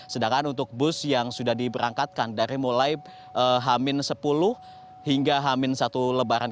sedangkan untuk bus yang sudah diberangkatkan dari mulai h sepuluh hingga hamin satu lebaran